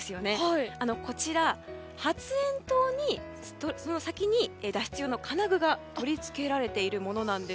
こちら、発炎筒にの先に脱出用の金具が取り付けられているものです。